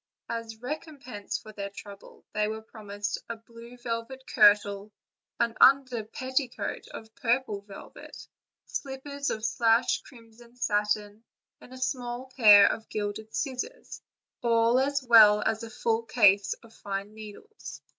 As a recompense for their trouble, they were promised a blue velvet kirtle, an under petticoat of purple velvet, slippers of slashed crimson satin, a small pair of gilded sciosors, and a case full of fine needles.